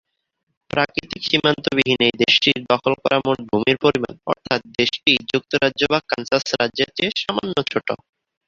প্রাকৃতিক সীমান্ত বিহীন এই দেশটির দখল করা মোট ভূমির পরিমাণ অর্থাৎ দেশটি যুক্তরাজ্য বা কানসাস রাজ্যের চেয়ে সামান্য ছোট।